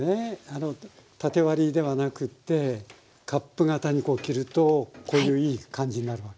あの縦割りではなくってカップ形に切るとこういういい感じになる訳ですね。